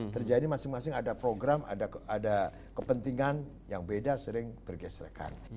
terjadi masing masing ada program ada kepentingan yang beda sering bergeserkan